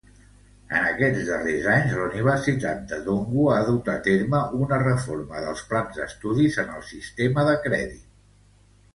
En aquests darrers anys la universitat de Donghua ha dut a terme una reforma dels plans d'estudis en el sistema de crèdit.